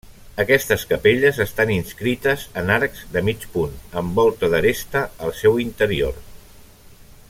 Aquestes capelles estan inscrites en arcs de mig punt amb volta d'aresta al seu interior.